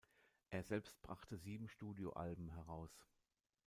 Er selbst brachte sieben Studioalben heraus.